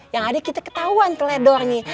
yang ada kita ketahuan teledornya